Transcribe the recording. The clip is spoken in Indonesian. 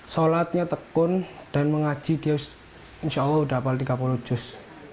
solatnya tekun dan mengaji diyus insya allah udah tiga puluh juz